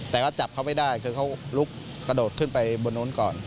แต่ก็จับเขาไม่ได้คือเขาลุกกระโดดขึ้นไปบนนู้นก่อน